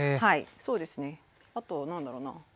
そうですねあとは何だろうな。